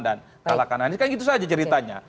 dan kalahkan anies kan itu saja ceritanya